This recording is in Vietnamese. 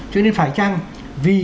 cho nên phải chăng vì